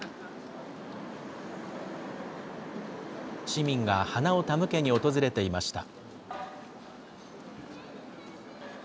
市民が花を手向けに訪れていました。